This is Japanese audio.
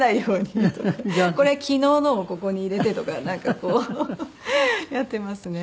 これは昨日のをここに入れてとかなんかこうやってますね。